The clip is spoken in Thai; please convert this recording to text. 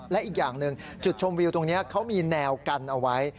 และอีกอย่างหนึ่งจุดชมวิวตรงนี้เขามีแนวกันเอาไว้